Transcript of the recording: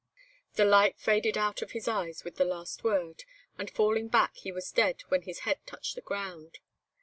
The light faded out of his eyes with the last word, and falling back, he was dead when his head touched the ground.